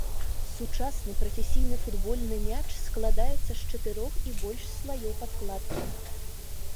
Сучасны прафесійны футбольны мяч складаецца з чатырох і больш слаёў падкладкі.